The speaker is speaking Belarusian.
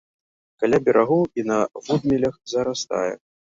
Каля берагоў і на водмелях зарастае.